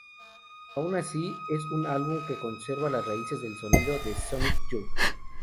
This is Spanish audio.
Aun así, es un álbum que conserva las raíces del sonido de Sonic Youth.